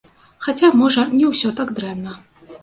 Хаця, можа, не ўсё так дрэнна.